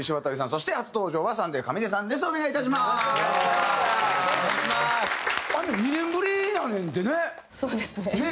そうですね。